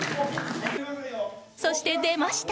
そして出ました